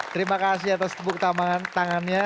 terima kasih atas tepuk tangannya